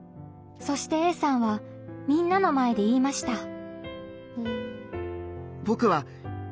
そしてＡさんはみんなの前で言いました。